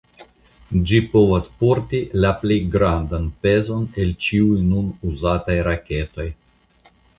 Ĝi povas porti la plej grandan pezon el ĉiuj nun uzataj raketoj.